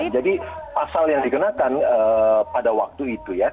jadi pasal yang digunakan pada waktu itu ya